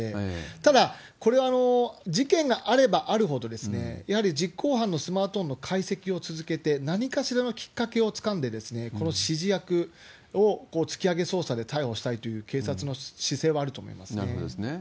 ただ、これ、事件があればあるほど、やはり実行犯のスマートフォンの解析を続けて、何かしらのきっかけをつかんで、この指示役を突き上げ捜査で逮捕したいという警察の姿勢はあるとなるほどですね。